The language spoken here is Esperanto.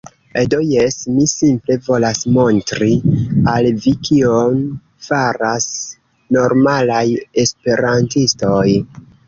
Do, jes mi simple volas montri al vi kion faras normalaj esperantistoj